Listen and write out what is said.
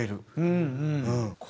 うんうん。